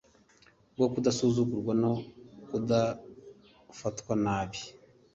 bwo kudasuzugurwa no kudafatwa nabi